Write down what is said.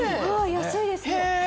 安いですよ。